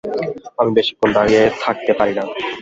আমি বেশিক্ষণ দাঁড়িয়ে থাকতে পারি না।